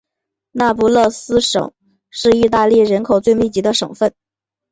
那不勒斯省是意大利人口最密集的省份。